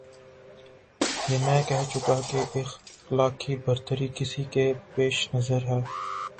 یہ میں کہہ چکا کہ اخلاقی برتری کسی کے پیش نظر ہے۔